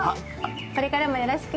これからもよろしくね。